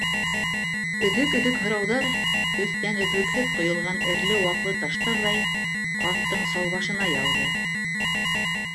Өҙөк-өҙөк һорауҙар, өҫтән өҙлөкһөҙ ҡойолған эреле-ваҡлы таштарҙай, ҡарттың сал башына яуҙы.